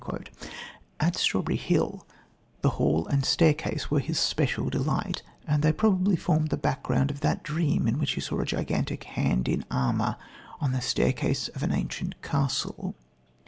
" At Strawberry Hill the hall and staircase were his special delight and they probably formed the background of that dream in which he saw a gigantic hand in armour on the staircase of an ancient castle.